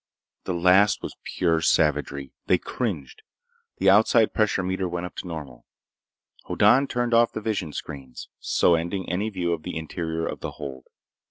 The last was pure savagery. They cringed. The outside pressure meter went up to normal. Hoddan turned off the visionscreens, so ending any view of the interior of the hold.